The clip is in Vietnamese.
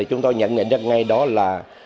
chúng tôi nhận nhận ra ngay đó là